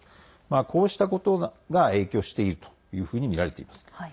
こうしたことが影響しているとみられています。